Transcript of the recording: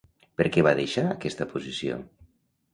Per què va deixar aquesta posició?